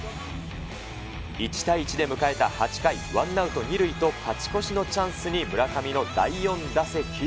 １対１で迎えた８回、ワンアウト２塁と勝ち越しのチャンスに村上の第４打席。